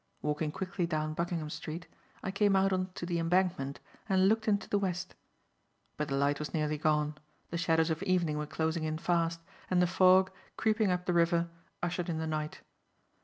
Walking quickly down Buckingham Street, I came out on to the Embankment and looked into the west. But the light was nearly gone, the shadows of evening were closing in fast, and the fog, creeping up the river, ushered in the night.